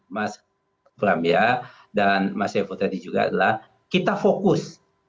mas framia dan mas evo tadi juga adalah kita fokus